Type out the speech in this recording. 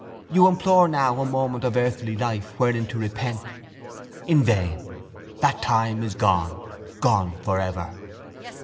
You implore now a moment of earthly life wherein to repent: in vain. That time is gone: gone for ever.